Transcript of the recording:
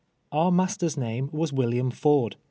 Our master's name was "William Ford.